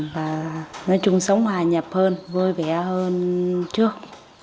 và nói chung sống hòa nhập hơn vui vẻ hơn trước